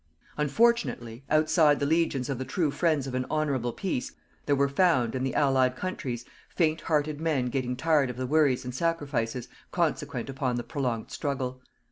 Unfortunately, outside the legions of the true friends of an honourable peace, there were found, in the Allied countries, faint hearted men getting tired of the worries and sacrifices consequent upon the prolonged struggle.